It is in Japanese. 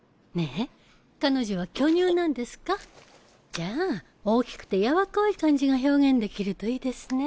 じゃあ大きくてやわこい感じが表現できるといいですね。